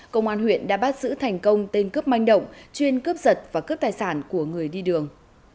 công an huyện đã bắt giữ thành công tên cướp manh động chuyên cướp giật và cướp tài sản của người đi đường